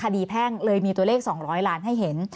แพ่งเลยมีตัวเลข๒๐๐ล้านให้เห็น